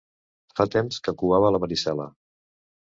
Fa temps que covava la varicel·la.